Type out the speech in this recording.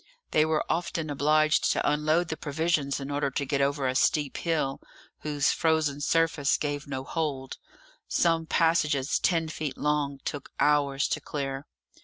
They were often obliged to unload the provisions in order to get over a steep hill, whose frozen surface gave no hold. Some passages ten feet long took hours to clear.